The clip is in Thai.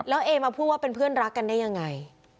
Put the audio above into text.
แล้วเอมาพูดว่าเป็นเพื่อนรักกันได้ยังไง